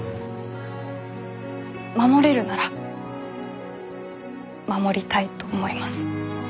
守れるなら守りたいと思います。